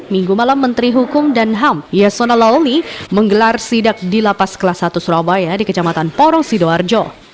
minggu malam menteri hukum dan ham yasona lawli menggelar sidak di lapas kelas satu surabaya di kecamatan porong sidoarjo